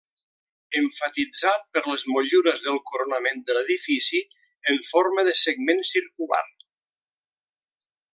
Emfatitzat per les motllures del coronament de l'edifici en forma de segment circular.